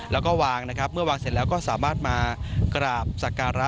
แล้วก็วางนะครับเมื่อวางเสร็จแล้วก็สามารถมากราบสักการะ